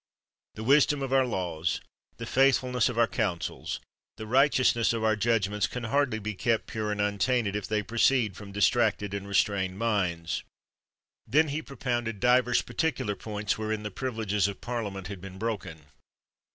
The wisdom of our laws, the faithfulness of our counsels, the righteousness of our judgments, can hardly be kept pure and untainted if they proceed from distracted and restrained minds. Then he propounded divers particular points wherein the privileges of Parliament had been broken.